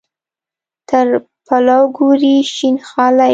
تر پلو ګوري شین خالۍ.